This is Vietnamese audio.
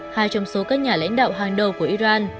hai trong số các nhà lãnh đạo hàng đầu của iran